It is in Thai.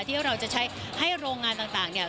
ที่เราจะใช้ให้โรงงานต่างเนี่ย